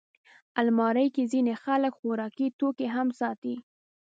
الماري کې ځینې خلک خوراکي توکي هم ساتي